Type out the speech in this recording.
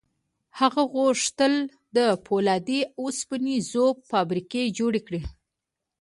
هغه غوښتل د پولادو او اوسپنې ذوب فابریکې جوړې کړي